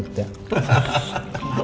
enggak boleh jelas begitu